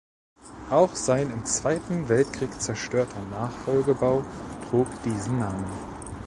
Auch sein im Zweiten Weltkrieg zerstörter Nachfolgebau trug diesen Namen.